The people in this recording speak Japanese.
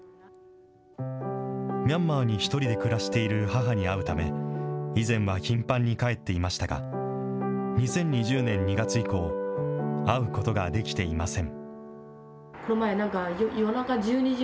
ミャンマーに１人で暮らしている母に会うため、以前は頻繁に帰っていましたが、２０２０年２月以降、会うことができていません。